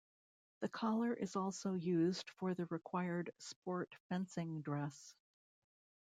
The collar is also used for the required sport fencing dress.